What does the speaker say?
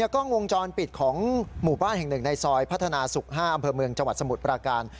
กล้องวงจรปิดของหมู่บ้านแห่งหนึ่งในซอยพัฒนาศุกร์๕อำเภอเมืองจังหวัดสมุทรปราการ